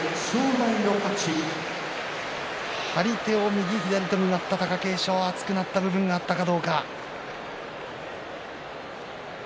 張り手を右左ともらった貴景勝熱くなった部分がありましたか。